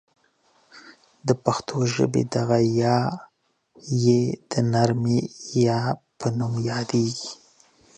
د پښتو ژبې دغه یا ی د نرمې یا په نوم یادیږي.